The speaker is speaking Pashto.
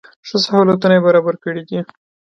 ښه سهولتونه یې برابر کړي دي.